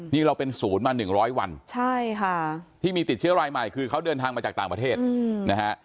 นี่เราเป็นศูนย์มา๑๐๐วันใช่ค่ะที่มีติดเชื้อรายใหม่คือเขาเดินทางมาจากต่างประเทศนะฮะ